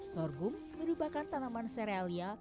sorghum merupakan tanaman serealia